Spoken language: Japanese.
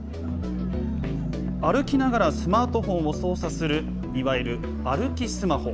歩きながらスマートフォンを操作する、いわゆる歩きスマホ。